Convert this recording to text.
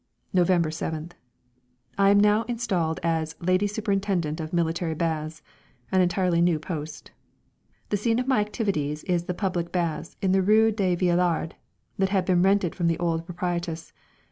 November 7th. I am now installed as "Lady Superintendent of Military Baths," an entirely new post! The scene of my activities is the public baths in the Rue des Vieillards, that have been rented from the old proprietress.